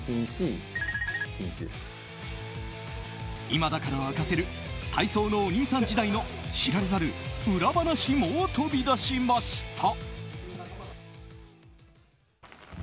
今だから明かせる体操のお兄さん時代の知られざる裏話も飛び出しました。